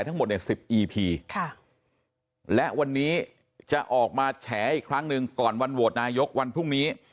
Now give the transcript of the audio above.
แฉออีกครั้งหนึ่งก่อนวันโหวดนายกวันพรุ่งนี้